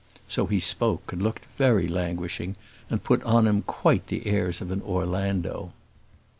So he spoke and looked very languishing, and put on him quite the airs of an Orlando.